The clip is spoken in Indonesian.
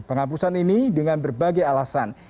penghapusan ini dengan berbagai alasan